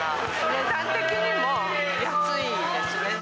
値段的にも安いですね。